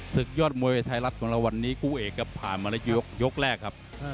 ศึกยอดมวยไทยรัฐของเราวันนี้คู่เอกครับผ่านมาแล้วยกแรกครับ